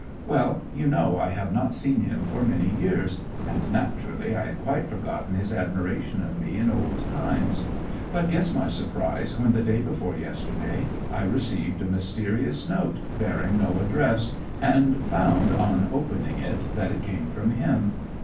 Well, you know I have not seen him for many years, and naturally I had quite forgotten his admiration of me in old times. But guess my surprise when the day before yesterday, I received a mysterious note bearing no address, and found on opening it that it came from him.